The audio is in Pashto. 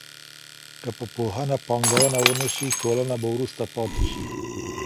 که په پوهنه پانګونه ونه سي ټولنه به وروسته پاته سي.